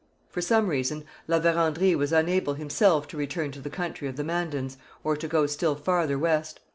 For some reason La Vérendrye was unable himself to return to the country of the Mandans or to go still farther west.